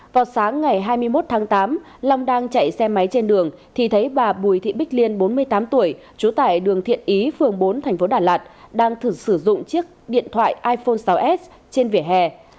vào sáng ngày hai mươi một tháng tám long đang chạy xe máy trên đường thì thấy bà bùi thị bích liên bốn mươi tám tuổi trú tại đường thiện ý phường bốn thành phố đà lạt đang thực sử dụng chiếc điện thoại iphone sáu s trên vỉa hè